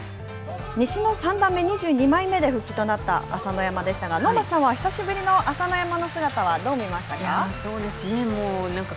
西の３段目２２枚目で復帰となった朝乃山でしたが、能町さんは久しぶりの朝乃山の姿はどう見ましたか。